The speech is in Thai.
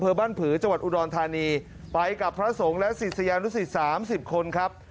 บ้านผือจังหวัดอุดรธานีไปกับพระสงฆ์และศิษยานุสิต๓๐คนครับ